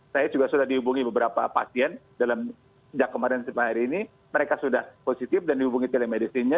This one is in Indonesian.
saya juga sudah dihubungi beberapa pasien dalam sejak kemarin ini mereka sudah positif dan dihubungi telemedicine